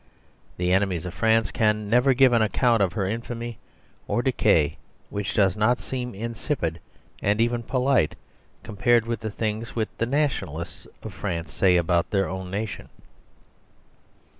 The enemies of France can never give an account of her infamy or decay which does not seem insipid and even polite compared with the things which the Nationalists of France say about their own nation.